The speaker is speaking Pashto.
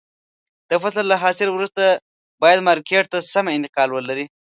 د فصل له حاصل وروسته باید مارکېټ ته سمه انتقال ولري.